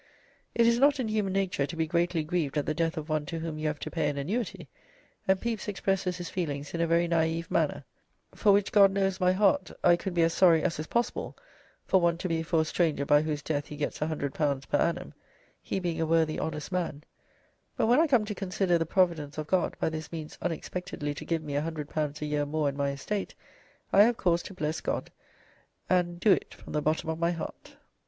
It is not in human nature to be greatly grieved at the death of one to whom you have to pay an annuity, and Pepys expresses his feelings in a very naive manner: "For which God knows my heart I could be as sorry as is possible for one to be for a stranger by whose death he gets L100 per annum, he being a worthy honest man; but when I come to consider the providence of God by this means unexpectedly to give me L100 a year more in my estate, I have cause to bless God, and do it from the bottom of my heart."